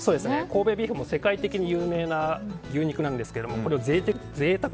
神戸ビーフも世界的に有名な牛肉なんですけどこれを贅沢に１００％。